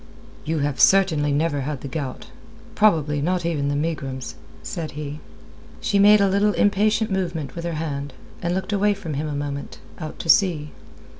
"You have certainly never had the gout; probably not even the megrims," said he. She made a little impatient movement with her hand, and looked away from him a moment, out to sea.